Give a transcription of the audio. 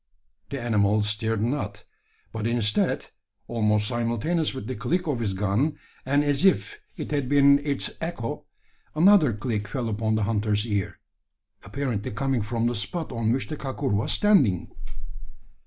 The animal stirred not; but instead almost simultaneous with the click of his gun, and as if it had been its echo another click fell upon the hunter's ear, apparently coming from the spot on which the kakur was standing!